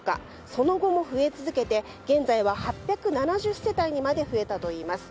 その後も増え続けて現在は８７０世帯にまで増えたといいます。